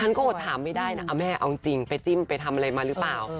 ก็อดถามไม่ได้นะเอาแม่เอาจริงไปจิ้มไปทำอะไรมาหรือเปล่า